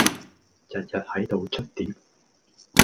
日日喺度捽碟